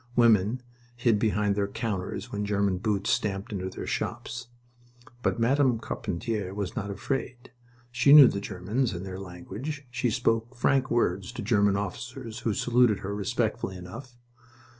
Women hid behind their counters when German boots stamped into their shops. But Madame Carpentier was not afraid. She knew the Germans and their language. She spoke frank words to German officers, who saluted her respectfully enough.